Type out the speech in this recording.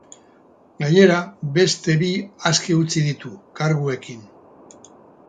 Gainera, beste bi aske utzi ditu, karguekin.